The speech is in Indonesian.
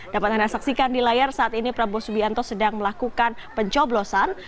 dapat anda saksikan di layar saat ini prabowo subianto sedang melakukan pencoblosan